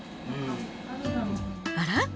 あら？